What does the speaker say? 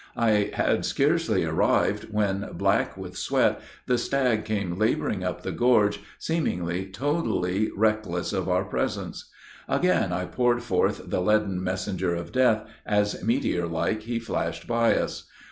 I had scarcely arrived, when, black with sweat, the stag came laboring up the gorge, seemingly, totally reckless of our presence. Again I poured forth the 'leaden messenger of death,' as meteor like he flashed by us.